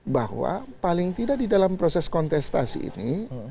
bahwa paling tidak di dalam proses kontestasi ini